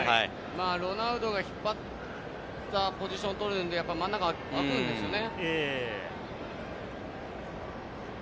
ロナウドが引っ張ったポジション取るので真ん中が開くんですよね。